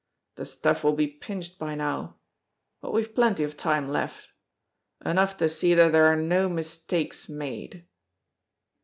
The stuff will be pinched by now, but we've plenty of time left enough to see that there are no mistakes made."